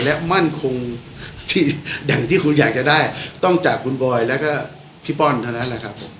และมั่นคงที่อย่างที่คุณอยากจะได้ต้องจากคุณบอยแล้วก็พี่ป้อนเท่านั้นแหละครับผม